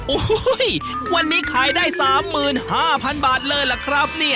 โอ้โหวันนี้ขายได้๓๕๐๐๐บาทเลยล่ะครับเนี่ย